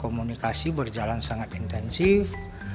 komunikasi berjalan sangat intensif